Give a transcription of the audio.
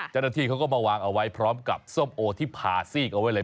เจ้าหน้าที่เขาก็มาวางเอาไว้พร้อมกับส้มโอที่ผ่าซีกเอาไว้เลย